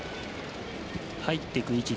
入っていく位置